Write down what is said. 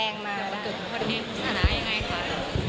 วันเกิดคุณพ่อได้สถานะอย่างไรคะ